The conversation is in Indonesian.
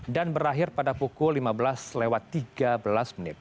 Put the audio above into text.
dan berakhir pada pukul lima belas tiga belas